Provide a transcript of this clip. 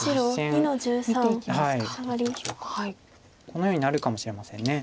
このようになるかもしれません。